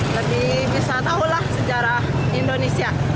lebih bisa tahulah sejarah indonesia